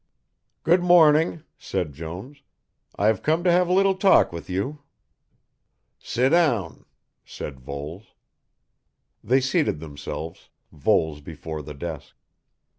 "Good morning," said Jones. "I have come to have a little talk with you." "Sit down," said Voles. They seated themselves, Voles before the desk.